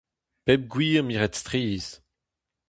Pep gwir miret strizh.